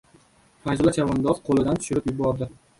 Fayzulla chavandoz qo‘lidan tushirib yubordi!